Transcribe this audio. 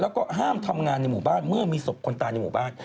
แล้วก็ห้ามทำงานในหมู่บ้านเมื่อมีศพคนตายในหมู่บ้าน